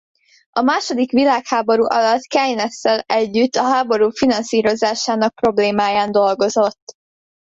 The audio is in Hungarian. A második világháború alatt Keynes-szel együtt a háború finanszírozásának problémáján dolgozott.